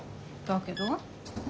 だけど。